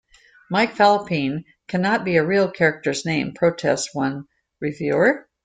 "Mike Fallopian cannot be a real character's name," protests one reviewer.